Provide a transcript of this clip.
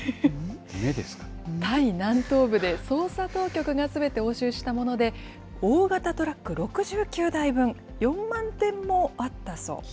タイ南東部で捜査当局がすべて押収したもので、大型トラック６９台分、４万点もあったそうです。